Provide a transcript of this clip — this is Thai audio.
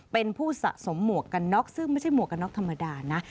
เป็นผู้สะสมหมวกกันน็อกซึ่งไม่ใช่หมวกกันน็อกธรรมดานะ